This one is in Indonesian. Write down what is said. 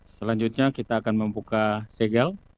selanjutnya kita akan membuka segel